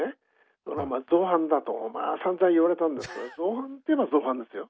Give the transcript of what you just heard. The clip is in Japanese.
造反だとまあさんざん言われたんですが造反って言えば造反ですよ。